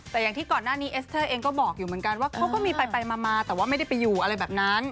แต่อย่างที่ก่อนหน้านี้เอสเตอร์เองก็บอกอยู่เหมือนกันว่าเขาก็มีไปมาแต่ว่าไม่ได้ไปอยู่อะไรแบบนั้น